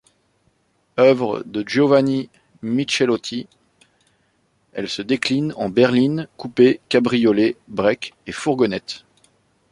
Œuvre de Giovanni Michelotti, elle se décline en berline, coupé, cabriolet, break et fourgonnette.